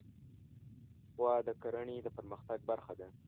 غوا د کرهڼې د پرمختګ برخه ده.